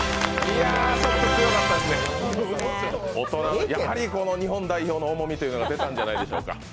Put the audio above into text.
やはり日本代表の重みというのが出たんじゃないでしょうか。